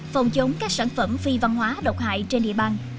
phòng chống các sản phẩm phi văn hóa độc hại trên địa bàn